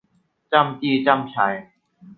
จ้ำจี้จ้ำไช